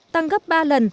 tăng gấp ba lần